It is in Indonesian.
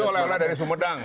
itu oleh oleh dari sumedang